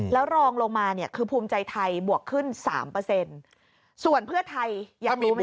แล้วรองลงมาเนี่ยคือภูมิใจไทยบวกขึ้น๓ส่วนเพื่อไทยยังรู้ไหม